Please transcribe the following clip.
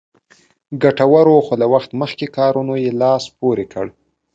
ګټورو خو له وخت مخکې کارونو یې لاس پورې کړ.